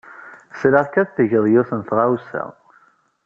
Sriɣ-k ad tged yiwet n tɣawsa.